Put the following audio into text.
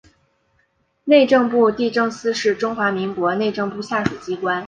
内政部地政司是中华民国内政部下属机关。